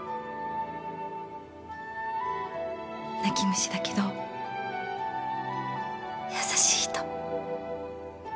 泣き虫だけど優しい人。